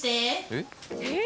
「えっ？」